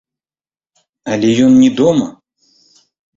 Але ён не дома.